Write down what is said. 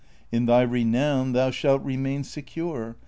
In thy renown thou shalt remain secure.